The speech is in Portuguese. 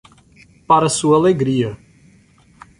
Para sua alegria!